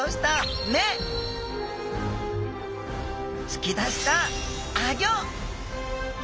つき出したアギョ！